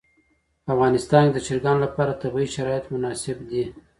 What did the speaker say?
په افغانستان کې د چرګان لپاره طبیعي شرایط مناسب دي.